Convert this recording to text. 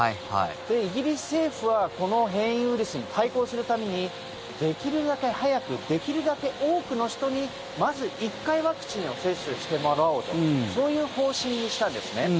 イギリス政府は変異ウイルスに対抗するためにできるだけ早くできるだけ多くの人にまず１回ワクチンを接種してもらおうとそういう方針にしたんですね。